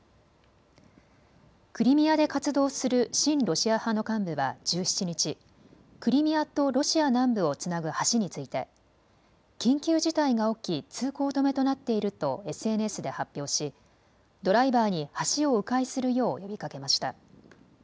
クリミアで活動する親ロシア派の幹部は１７日、クリミアとロシア南部をつなぐ橋について緊急事態が起き通行止めとなっているとＳＮＳで発表し、ドライバーに橋をう回するよう呼びかけました。